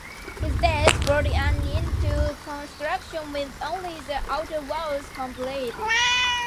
His death brought an end to construction with only the outer walls completed.